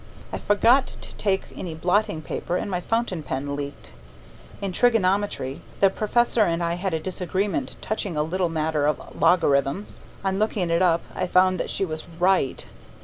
I forgot to take any blotting paper and my fountain pen leaked. In trigonometry the Professor and I had a disagreement touching a little matter of logarithms. On looking it up, I find that she was right.